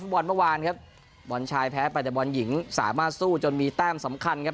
บอลเมื่อวานครับบอลชายแพ้ไปแต่บอลหญิงสามารถสู้จนมีแต้มสำคัญครับ